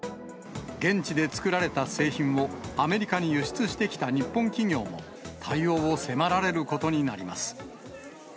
現地で作られた製品をアメリカに輸出してきた日本企業も、対応を迫られることになります。